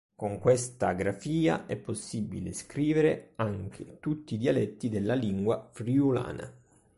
Con questa grafia è possibile scrivere anche tutti i dialetti della lingua friulana.